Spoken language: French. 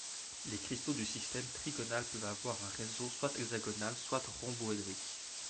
Les cristaux du système trigonal peuvent avoir un réseau soit hexagonal soit rhomboédrique.